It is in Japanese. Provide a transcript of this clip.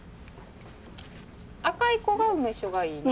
赤い子が梅酒がいいの？